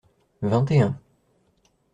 Vingt et un.